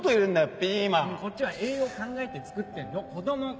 こっちは栄養考えて作ってんの子供か！